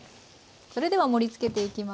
それでは盛りつけていきます。